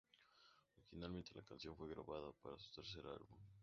Originalmente, la canción fue grabada para su tercer álbum.